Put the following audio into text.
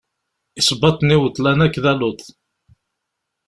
Isebbaḍen-iw ḍlan akk d aluḍ.